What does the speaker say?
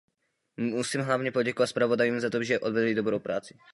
Musím hlavně poděkovat zpravodajům za to, že odvedli dobrou práci.